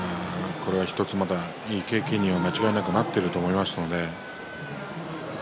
これは１ついい経験には間違いなくなっていると思います。